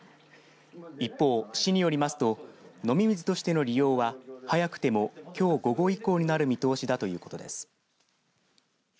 一方、市によりますと飲み水としての利用は早くてもきょう午後以降になる見通しだということです。